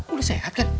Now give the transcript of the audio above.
udah sehat kan